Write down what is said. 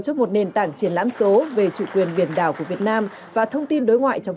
cho một nền tảng triển lãm số về chủ quyền biển đảo của việt nam và thông tin đối ngoại trong